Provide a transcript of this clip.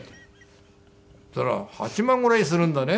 そしたら８万ぐらいするんだね。